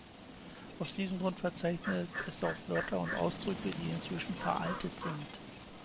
Aus diesem Grund verzeichnet es auch Wörter und Ausdrücke, die inzwischen veraltet sind.